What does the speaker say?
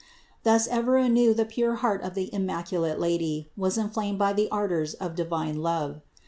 Thus ever anew the pure heart of the immaculate Lady was inflamed by the ardors of divine love.